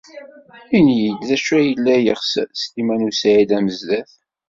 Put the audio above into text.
Ini-iyi-d d acu ay yella yeɣs Sliman u Saɛid Amezdat.